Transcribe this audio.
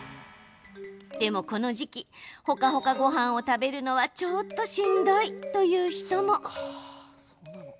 でも、この時期ほかほかごはんを食べるのはちょっとしんどいという人も。